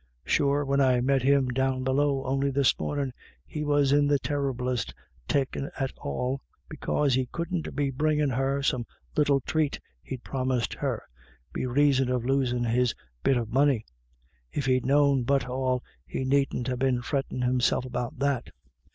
Sure, when I met him down below on'y this mornin', he was in the terriblest takin' at all, because he couldn't be bringin' her some little thrate he'd promised her, be raison of losin' his bit of money. If he'd known but all, he needn't ha' been frettin' himself about that."